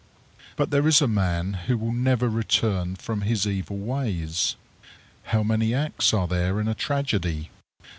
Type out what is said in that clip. But there is a man who will never return from his evil ways. How many acts are there in a tragedy?